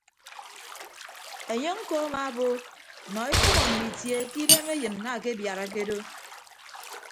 Enye ñko amaabo nọ ekpәho mme itie ke idem enyin akebiarake do.